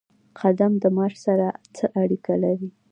قدم د معاش سره څه اړیکه لري؟